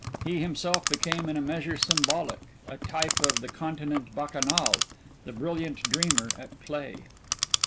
He himself became in a measure symbolic, a type of the continent bacchanal, the brilliant dreamer at play.